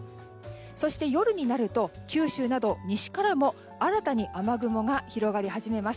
そして、夜になると九州など西からも新たに雨雲が広がり始めます。